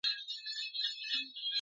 • پر توپانو دي مېنه آباده -